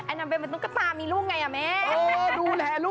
เอนาเบลเป็นตุ๊กตามีลูกไงอะแม่